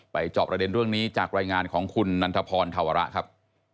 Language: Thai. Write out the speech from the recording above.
จอบประเด็นเรื่องนี้จากรายงานของคุณนันทพรธาวระครับ